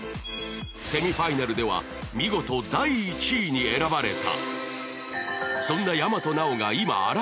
セミファイナルでは見事第１位に選ばれた。